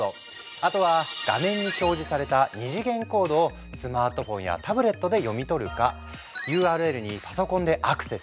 あとは画面に表示された二次元コードをスマートフォンやタブレットで読み取るかＵＲＬにパソコンでアクセス！